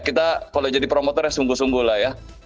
kita kalau jadi promotor ya sungguh sungguh lah ya